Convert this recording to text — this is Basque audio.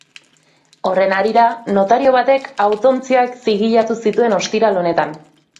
Horren harira, notario batek hautontziak zigilatu zituen ostiral honetan.